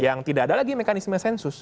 yang tidak ada lagi mekanisme sensus